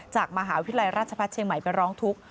จากมหาวิทยาลัยราชพัฒนเชียงใหม่ไปร้องทุกข์